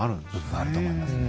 あると思いますね。